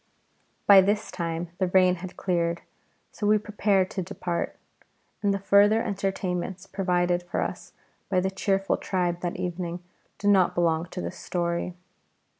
By this time the rain had cleared, so we prepared to depart, and the further entertainments provided for us by the cheerful tribe that evening do not belong to this story.